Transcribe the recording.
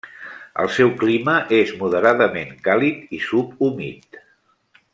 El seu clima és moderadament càlid i subhumit.